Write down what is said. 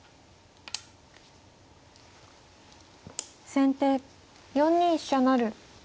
先手４二飛車成。